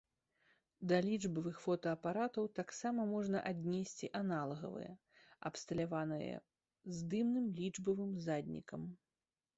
Да лічбавых фотаапаратаў таксама можна аднесці аналагавыя, абсталяваныя здымным лічбавым заднікам.